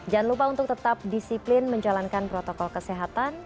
jangan lupa untuk tetap disiplin menjalankan protokol kesehatan